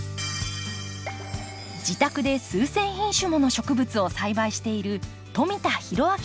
自宅で数千品種もの植物を栽培している富田裕明さん。